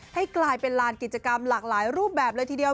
ให้กลายเป็นลานกิจกรรมหลากหลายรูปแบบเลยทีเดียว